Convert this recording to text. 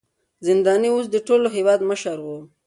زنداني اوس د ټول هېواد مشر و.